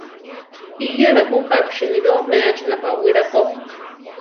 Iyéla ju jápi sinibí omeachi napawíla ko.